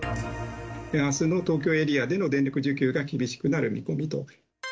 あすの東京エリアでの電力需給が厳しくなる見込みと。